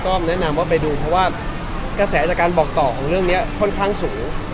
ก็แนะนำว่าไปดูเพราะว่ากระแสจากการบอกต่อของเรื่องนี้ค่อนข้างสูง